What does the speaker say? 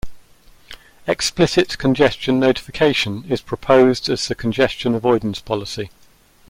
Explicit congestion notification is proposed as the congestion avoidance policy.